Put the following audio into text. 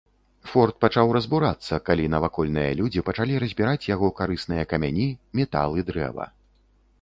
Форт пачаў разбурацца, калі навакольныя людзі пачалі разбіраць яго карысныя камяні, метал і дрэва.